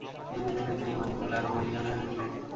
দিনে দিনে তিনি ঈমানী বলে আরো বলিয়ান হয়ে উঠলেন।